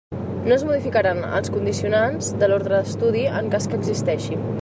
No es modificaran els condicionats de l'ordre d'estudi, en cas que existeixi.